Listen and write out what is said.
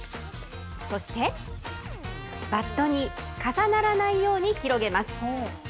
そして、バットに重ならないように広げます。